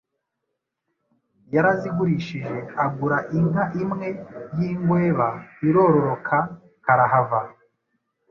yarazigurishije agura inka imwe y’ingweba irororoka karahava.